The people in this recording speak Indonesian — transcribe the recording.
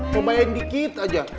cobain dikit aja